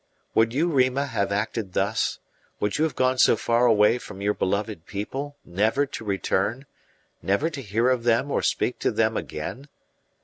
Would you, Rima, have acted thus would you have gone so far away from your beloved people, never to return, never to hear of them or speak to them again?